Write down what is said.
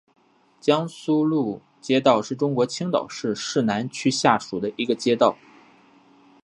江苏路街道是中国青岛市市南区下辖的一个街道。